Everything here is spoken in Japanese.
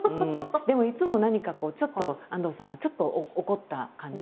でもいつも何かこうちょっと安藤さんはちょっと怒った感じ